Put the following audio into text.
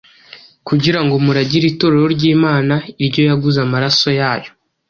kugira ngo muragire Itorero ry’Imana, iryo yaguze amaraso yayo.”